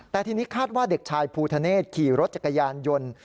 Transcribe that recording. แต่ทีนี้คาดว่าเด็กชายภูทะเนศขี่รถจักรยานยนต์